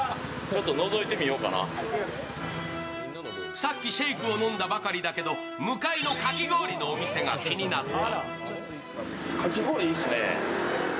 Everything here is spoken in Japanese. さっきシェイクを飲んだばかりだけど向かいのかき氷のお店が気になった。